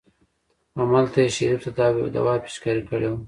همالته يې شريف ته دوا پېچکاري کړې وه.